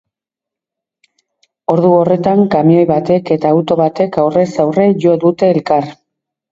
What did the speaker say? Ordu horretan, kamioi batek eta auto batek aurrez aurre jo dute elkar.